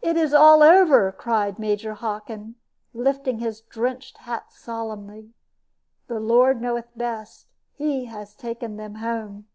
"It is all over," cried Major Hockin, lifting his drenched hat solemnly. "The Lord knoweth best. He has taken them home."